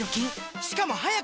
しかも速く乾く！